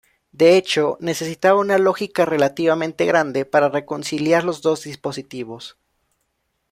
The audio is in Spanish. De hecho, necesitaba una lógica relativamente grande para reconciliar los dos dispositivos.